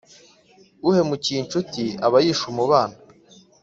uhemukiye incuti aba yishe umubano.